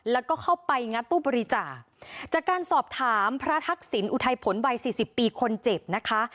แล้วก็เข้าไปงัดตู้บริจาคจากการสอบถามพระทักษิณอุทัยผลวัยสี่สิบปีคนเจ็บนะคะ